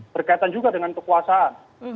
berkaitan juga dengan kekuasaan